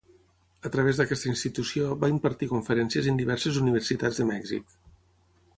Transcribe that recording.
A través d'aquesta institució va impartir conferències en diverses Universitats de Mèxic.